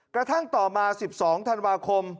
กระทั่งต่อมา๑๒ธันวาคม